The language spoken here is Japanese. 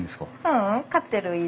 ううん飼ってる犬。